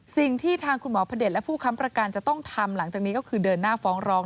สิ่งที่ทางคุณหมอพระเด็จและผู้ค้ำประกันจะต้องทำหลังจากนี้ก็คือเดินหน้าฟ้องร้อง